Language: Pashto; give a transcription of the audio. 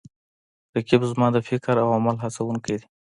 رقیب زما د فکر او عمل هڅوونکی دی